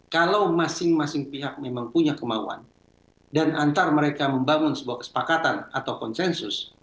kalau masing masing pihak memang punya kemauan dan antar mereka membangun sebuah kesepakatan atau konsensus